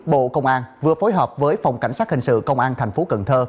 bộ công an vừa phối hợp với phòng cảnh sát hình sự công an thành phố cần thơ